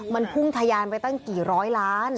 มันพุ่งทะยานไปตั้งกี่ร้อยล้าน